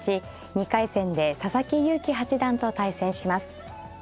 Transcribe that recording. ２回戦で佐々木勇気八段と対戦します。